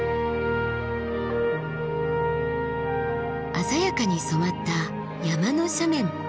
鮮やかに染まった山の斜面。